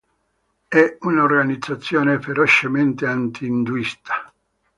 È un'organizzazione ferocemente anti-induista.